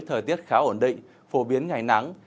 thời tiết khá ổn định phổ biến ngày nắng